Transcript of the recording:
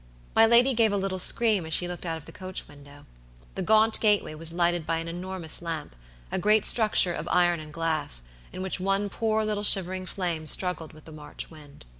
My lady gave a little scream as she looked out of the coach window. The gaunt gateway was lighted by an enormous lamp; a great structure of iron and glass, in which one poor little shivering flame struggled with the March wind.